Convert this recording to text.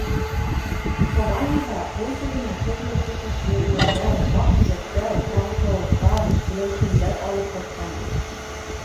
Табан иһә һыу төбөнән төрлө хуш еҫле үләндәр, ваҡ бөжәктәр, ҡарышлауыҡтар, селәүсендәр алып ҡайтҡан.